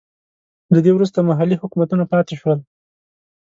له دې وروسته محلي حکومتونه پاتې شول.